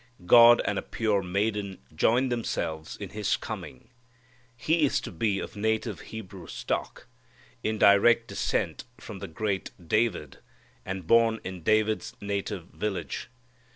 God and a pure maiden join themselves in His coming. He is to be of native Hebrew stock, in direct descent from the great David, and born in David's native village.